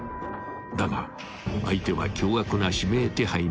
［だが相手は凶悪な指名手配の容疑者］